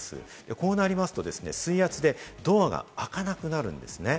こうなりますと水圧でドアが開かなくなるんですね。